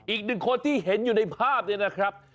อีกหนึ่งคนที่เห็นอยู่ในภาพเนี่ยนะครับ